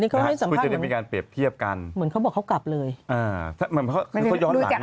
ค่อยใจมีการเปรียบเทียบกันเขาบอกเขากลับเลย